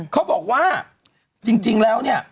เขาบอกว่าจริงแล้วเนี่ย